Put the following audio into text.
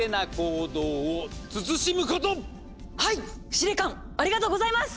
司令官ありがとうございます！